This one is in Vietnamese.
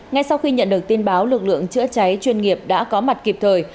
ngay sau khi nhận được tin báo lực lượng chữa cháy chuyên nghiệp đã có mặt kịp thời